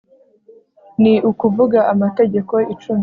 ni ukuvuga Amategeko Icumi